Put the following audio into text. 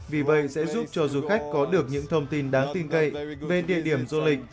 vì vậy sẽ giúp cho du khách có được những thông tin đáng tin cậy về địa điểm du lịch